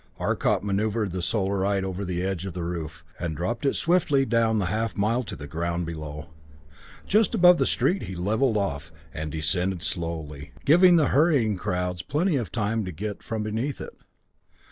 Arcot maneuvered the Solarite over the edge of the roof, and dropped it swiftly down the half mile to the ground below. Just above the street, he leveled off, and descended slowly, giving the hurrying crowds plenty of time to get from beneath it.